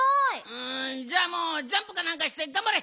うんじゃあもうジャンプかなんかしてがんばれ！